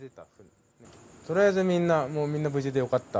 とりあえずみんな、もうみんな無事でよかった。